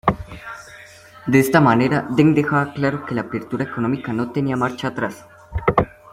De esta manera, Deng dejaba claro que la apertura económica no tenía marcha atrás.